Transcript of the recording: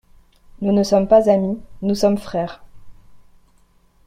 Nous ne sommes pas amis, nous sommes frères.